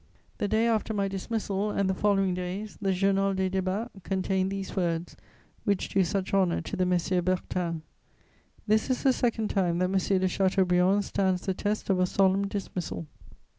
The day after my dismissal and the following days, the Journal des Débats contained these words, which do such honour to the Messieurs Bertin: "This is the second time that M. de Chateaubriand stands the test of a solemn dismissal.